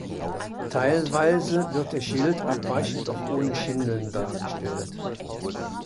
Teilweise wird der Schild abweichend auch ohne Schindeln dargestellt.